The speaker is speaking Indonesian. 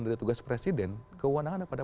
dari tugas presiden keuangan ada pada